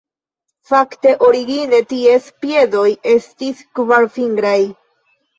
Fakte, origine ties piedoj estis kvarfingraj.